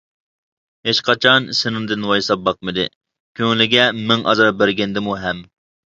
ھېچقاچان سېنىڭدىن ۋايساپ باقمىدى، كۆڭلىگە مىڭ ئازار بەرگەندىمۇ ھەم.